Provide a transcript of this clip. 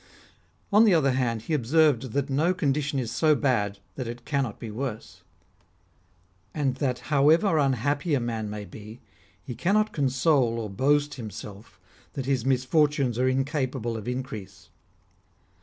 On the other hand, he observed that no condition is so bad that it cannot be worse ; and that however unhappy a man may be, he cannot console or boast himself that his misfortunes are incapable of increase.